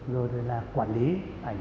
rồi là quản lý ảnh